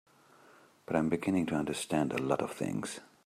But I'm beginning to understand a lot of things.